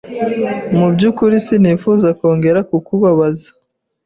Mu byukuri sinifuzaga kongera kukubabaza.